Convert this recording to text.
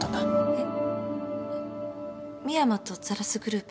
えっ！？